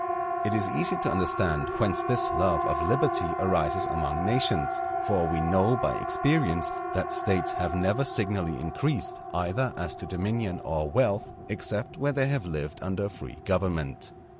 It is easy to understand whence this love of liberty arises among nations, for we know by experience that States have never signally increased, either as to dominion or wealth, except where they have lived under a free government.